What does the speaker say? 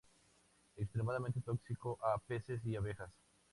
Extremadamente tóxico a peces y abejas.